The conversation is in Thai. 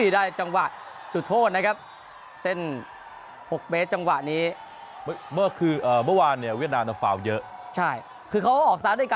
ได้จังหวะ